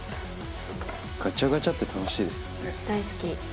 ガチャガチャって楽しいです大好き。